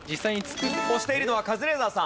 押しているのはカズレーザーさん。